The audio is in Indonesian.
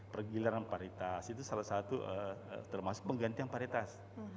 pergiliran varietas itu salah satu termasuk penggantian varietas